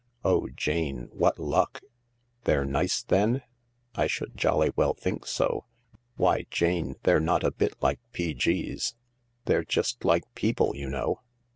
Oh, Jane, what luck I " "They're nice, then ?"" I should jolly well think so. Why, Jane, they're not a bit like P.G.'s. They're just like people you know."